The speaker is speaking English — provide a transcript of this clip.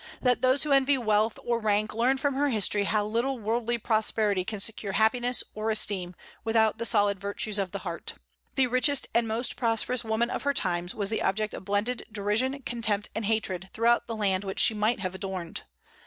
Let those who envy wealth or rank learn from her history how little worldly prosperity can secure happiness or esteem, without the solid virtues of the heart. The richest and most prosperous woman of her times was the object of blended derision, contempt, and hatred throughout the land which she might have adorned.